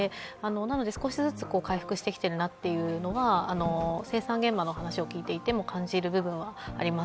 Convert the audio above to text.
少しずつ回復してきてるなっていうのが、生産現場の話を聞いていても感じる部分はあります。